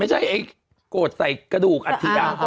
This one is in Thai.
ไม่ใช่ไอ้โกดใส่กระดูกอัธี